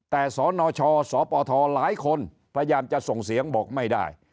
แต่สนชสปทหลายคนพยายามจะส่งเสียงบอกไม่ได้